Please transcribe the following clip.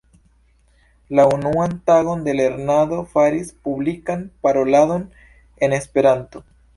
La unuan tagon de lernado faris publikan paroladon en Esperanto.